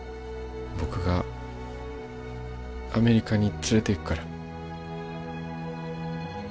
僕がアメリカに連れていくから。